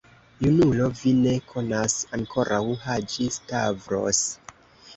Junulo, vi ne konas ankoraŭ Haĝi-Stavros.